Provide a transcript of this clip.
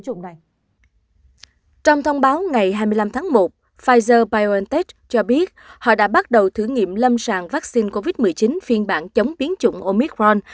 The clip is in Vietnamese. trong thông báo ngày hai mươi năm tháng một pfizer biontech cho biết họ đã bắt đầu thử nghiệm lâm sàng vaccine covid một mươi chín phiên bản chống biến chủng omicron